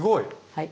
はい。